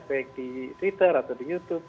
baik di twitter atau di youtube